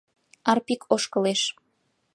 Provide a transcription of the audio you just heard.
Арпик ошкылеш.